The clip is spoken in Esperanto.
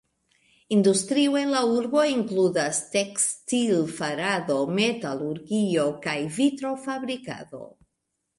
Industrio en la urbo inkludas tekstil-farado, metalurgio, kaj vitro-fabrikado.